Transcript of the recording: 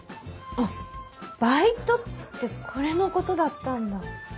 あっバイトってこれのことだったんだ。